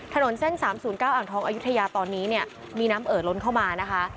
ถนนเส้น๓๐๙อ่างทองอายุทยาตอนนี้เนี่ยมีน้ำเอ่อล้นเข้ามานะคะ